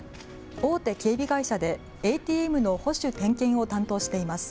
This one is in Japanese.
大手警備会社でＡＴＭの保守・点検を担当しています。